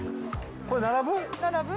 これ並ぶ？